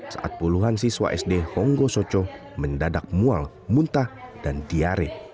saat puluhan siswa sd honggo soco mendadak mual muntah dan diare